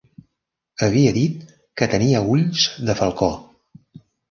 Havia dit que tenia ulls de falcó.